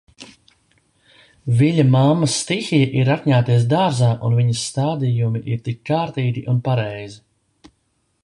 Viļa mammas stihija ir rakņāties dārzā un viņas stādījumi ir tik kārtīgi un pareizi.